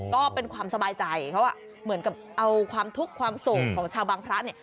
ก็เป็นความสบายใจเขาเหมือนกับเอาความทุกข์ความโศกของชาวบางพระเนี่ย